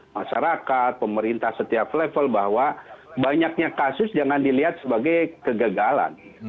masyarakat pemerintah setiap level bahwa banyaknya kasus jangan dilihat sebagai kegagalan